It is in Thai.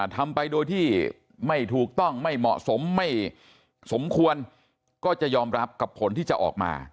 ทำไปโดยที่ไม่ถูกต้องไม่เหมาะสมไม่สมควรก็จะยอมรับกับผลที่จะออกมา